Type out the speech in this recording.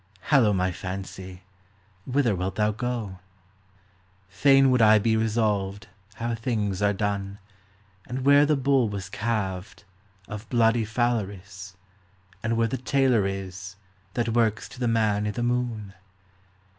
Hallo, my fancy, whither wilt thou go? THE IMAGINATION 5 Fain would I be resolved How things are done ; And where the bull was calved Of bloody Phalaris, And where the tailor is That works to the man i' the moon